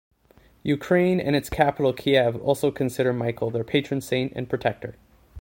Ukraine and its capital Kiev also consider Michael their patron saint and protector.